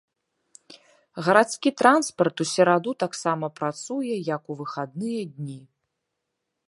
Гарадскі транспарт у сераду таксама працуе як у выхадныя дні.